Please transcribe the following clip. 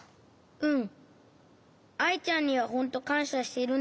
うん。